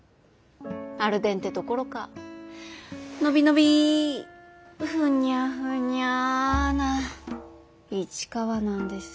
アルデンテどころかのびのびふにゃふにゃな市川なんです。